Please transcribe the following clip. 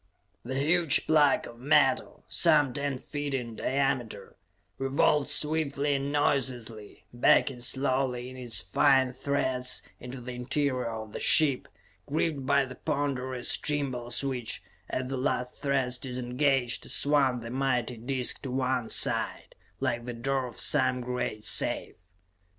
The huge plug of metal, some ten feet in diameter, revolved swiftly and noiselessly, backing slowly in its fine threads into the interior of the ship, gripped by the ponderous gimbals which, as the last threads disengaged, swung the mighty disc to one side, like the door of some great safe.